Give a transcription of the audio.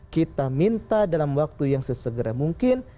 kita minta dalam waktu yang sesegera mungkin